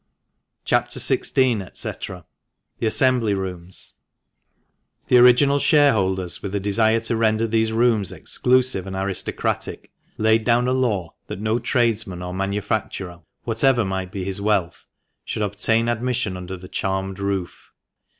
CHAP. XVI. £c.— THE ASSEMBLY ROOMS.— The original shareholders, with a desire to render these rooms exclusive and aristocratic, laid down a law that no tradesman or manufacturer, whatever might be his wealth, should obtain admission under the charmed roof.